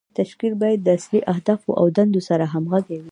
تشکیل باید د اصلي اهدافو او دندو سره همغږی وي.